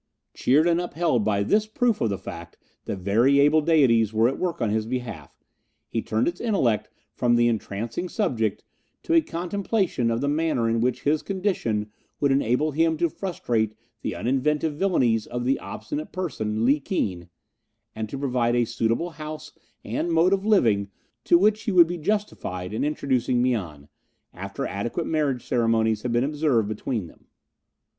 Cheered and upheld by this proof of the fact that very able deities were at work on his behalf, he turned his intellect from the entrancing subject to a contemplation of the manner in which his condition would enable him to frustrate the uninventive villainies of the obstinate person Li Keen, and to provide a suitable house and mode of living to which he would be justified in introducing Mian, after adequate marriage ceremonies had been observed between them.